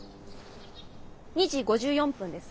２時５４分です。